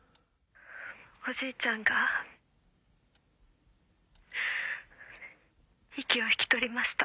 ☎おじいちゃんが息を引き取りました。